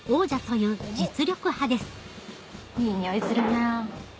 いい匂いするな。